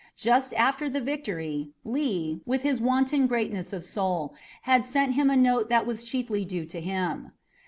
Just after the victory, Lee, with his wonted greatness of soul, had sent him a note that it was chiefly due to him.